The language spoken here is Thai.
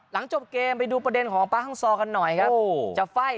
หลังจบเกมไปดูประเด็นของป๊ฮังซอกันหน่อยครับ